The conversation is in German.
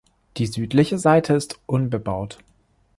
Die südliche Seite ist unbebaut.